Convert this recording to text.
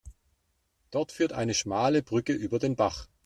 Dort führt eine schmale Brücke über den Bach.